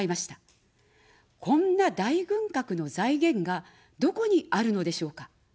こんな大軍拡の財源がどこにあるのでしょうか。